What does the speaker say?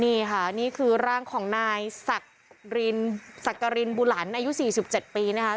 นี่ค่ะนี่คือร่างของนายสักรินสักกรินบุหลันอายุ๔๗ปีนะคะ